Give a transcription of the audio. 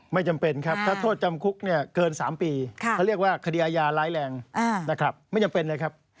ไม่จำเป็นครับถ้าโทษจำคุกเนี่ยเกิน๓ปีเขาเรียกว่าคดีอาญาร้ายแรงนะครับไม่จำเป็นเลยครับ